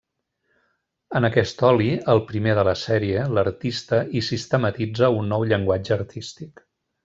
En aquest oli, el primer de la sèrie, l'artista hi sistematitza un nou llenguatge artístic.